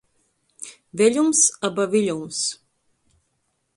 Veļums aba viļums.